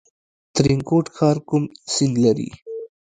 ترینکوټ ښار کوم سیند لري؟